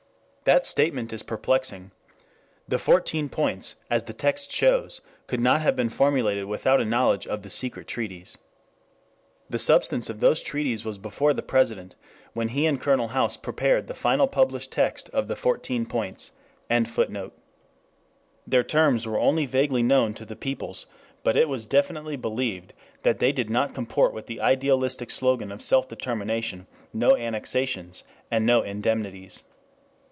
That statement is perplexing. The Fourteen Points, as the text shows, could not have been formulated without a knowledge of the secret treaties. The substance of those treaties was before the President when he and Colonel House prepared the final published text of the Fourteen Points.] Their terms were only vaguely known to the peoples, but it was definitely believed that they did not comport with the idealistic slogan of self determination, no annexations and no indemnities.